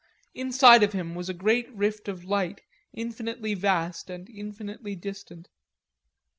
Inside of him was a great rift of light, infinitely vast and infinitely distant.